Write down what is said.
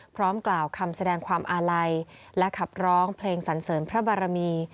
พร้อมกล่าวคำแสดงความอาลัยและขับร้องเพลงสันเสริมพระบารมี